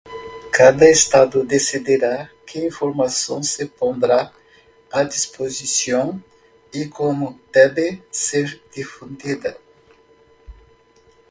Cada estado decidirá que información se pondrá a disposición y cómo debe ser difundida.